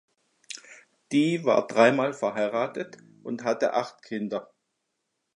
Dee war dreimal verheiratet und hatte acht Kinder.